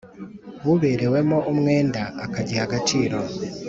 uberewemo umwenda akagiha agaciro